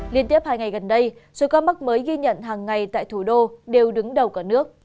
liên tiếp hai ngày gần đây số ca mắc mới ghi nhận hàng ngày tại thủ đô đều đứng đầu cả nước